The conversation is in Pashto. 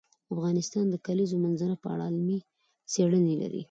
افغانستان د د کلیزو منظره په اړه علمي څېړنې لري.